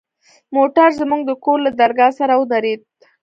موټر زموږ د کور له درگاه سره ودرېد.